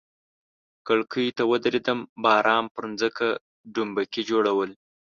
کړکۍ ته ودریدم، باران پر مځکه ډومبکي جوړول.